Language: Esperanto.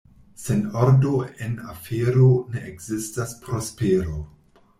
Sen ordo en afero ne ekzistas prospero.